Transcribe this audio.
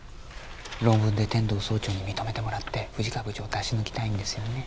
論文で天堂総長に認めてもらって富士川部長を出し抜きたいんですよね。